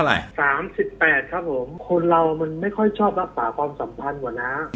๓๘ครับผมคนเรามันไม่ค่อยชอบรักษาความสัมพันธ์กว่านะ